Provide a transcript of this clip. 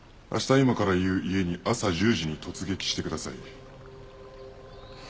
今から言う家に朝１０時に突撃してください」